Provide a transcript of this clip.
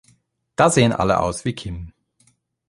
Da sehen alle aus wie Kim.